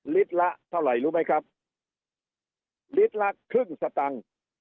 ลิตรละเท่าไหร่รู้ไหมครับลิตรละครึ่งสตังค์